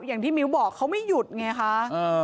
อย่างที่มิ้วบอกเขาไม่หยุดไงคะ